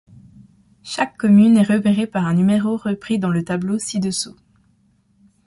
Chaque commune est repéré par un numéro repris dans le tableau ci-dessous.